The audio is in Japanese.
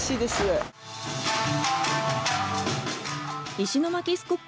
石巻スコッ